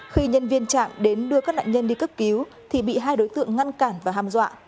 khi nhân viên trạm đến đưa các nạn nhân đi cấp cứu thì bị hai đối tượng ngăn cản và ham dọa